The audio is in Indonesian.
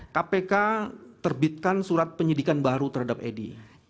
kpk terbitkan surat penyidikan baru terhadap edi